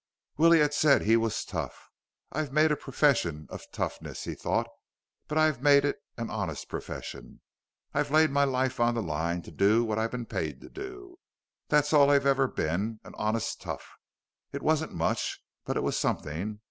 Willie had said he was tough. _I've made a profession of toughness, he thought, but I've made it an honest profession. I've laid my life on the line to do what I've been paid to do. That's all I've ever been, an honest tough. It wasn't much, but it was something.